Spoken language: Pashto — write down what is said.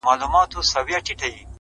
• هم د سپيو هم سړيو غالمغال دئ ,